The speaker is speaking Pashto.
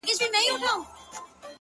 په مړاوو گوتو كي قوت ډېر سي-